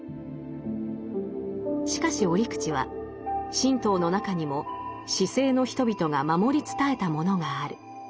しかし折口は神道の中にも市井の人々が守り伝えたものがある。